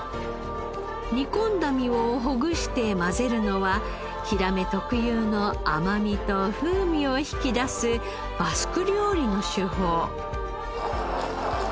煮込んだ身をほぐして混ぜるのはヒラメ特有の甘みと風味を引き出すバスク料理の手法。